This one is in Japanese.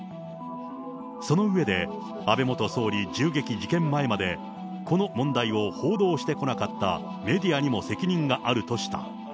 その上で、安倍元総理銃撃事件前まで、この問題を報道してこなかったメディアにも責任があるとした。